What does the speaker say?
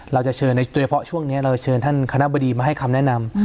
เราจะเชิญโดยเฉพาะช่วงนี้เราเชิญท่านคณะบดีมาให้คำแนะนำ